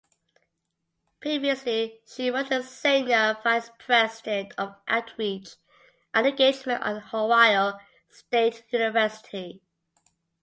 Previously, she was the Senior Vice-President for Outreach and Engagement at Ohio State University.